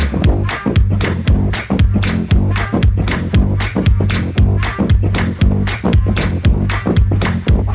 สวัสดีครับสวัสดีครับสวัสดีครับ